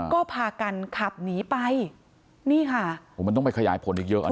ก็พากันขับหนีไปนี่ค่ะโอ้มันต้องไปขยายผลอีกเยอะ